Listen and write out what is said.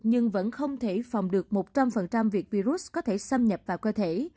nhưng vẫn không thể phòng được một trăm linh việc virus có thể xâm nhập vào cơ thể